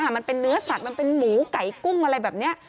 มันเป็นเนื้อสัตว์มันเป็นหมูไก่กุ้งอะไรแบบนี้